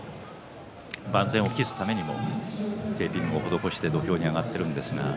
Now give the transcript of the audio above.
万全を期すためにもテーピングを施して土俵に上がっています。